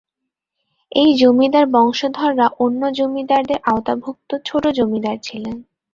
এই জমিদার বংশধররা অন্য জমিদারের আওতাভুক্ত ছোট জমিদার ছিলেন।